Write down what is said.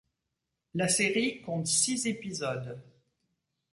La série compte six épisodes.